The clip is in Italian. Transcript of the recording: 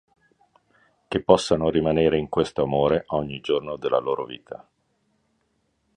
Che possano rimanere in questo amore ogni giorno della loro vita.